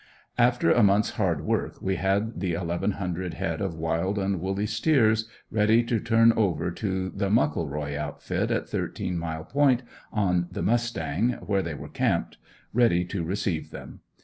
After a month's hard work we had the eleven hundred head of wild and woolly steers ready to turn over to the Muckleroy outfit at Thirteen mile point on the Mustang, where they were camped, ready to receive them.